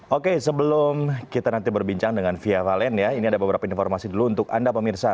oke sebelum kita nanti berbincang dengan fia valen ya ini ada beberapa informasi dulu untuk anda pemirsa